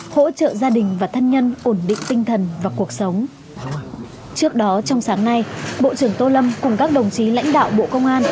hỗ trợ gia đình và thân nhân